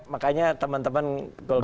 makanya teman teman golkar